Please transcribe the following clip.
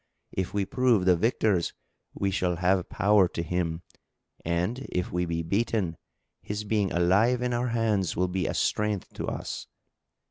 If we prove the victors, we shall have power to kill him and, if we be beaten, his being alive in our hands will be a strength to us."